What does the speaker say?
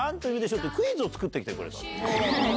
ってクイズを作って来てくれた。